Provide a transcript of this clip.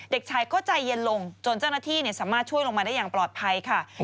เด็กชายก็ใจเย็นลงจนเจ้าหน้าที่สามารถช่วยลงมาได้อย่างปลอดภัยค่ะ